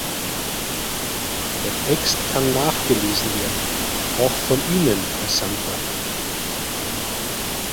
Der Text kann nachgelesen werden, auch von Ihnen, Herr Santer.